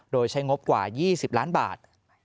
โดยใช้งบกว่า๒๐ล้านบาท